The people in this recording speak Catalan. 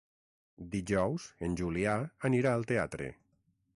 Dijous en Julià anirà al teatre.